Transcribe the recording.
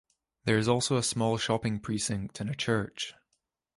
There is also a small shopping precinct and a church.